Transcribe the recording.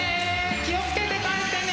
気を付けて帰ってね！